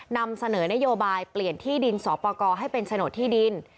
นำเสนอนโยบายเปลี่ยนที่ดินสอปกรให้เป็นโฉนดที่ดิน